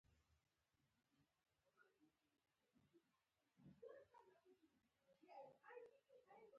د خوب بالښت يې نه وو.